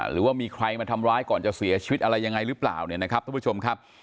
หรือว่ามีใครมาทำร้ายก่อนจะเสียชีวิตอะไรยังไงหรือเปล่าเนี่ยนะครับท่านผู้ชมครับ